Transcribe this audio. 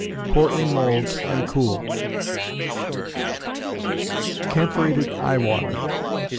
Pour in molds and cool. _Camphorated Eye Water.